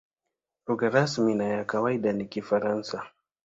Lugha rasmi na ya kawaida ni Kifaransa.